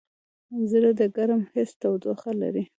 زړه د ګرم حس تودوخه لري.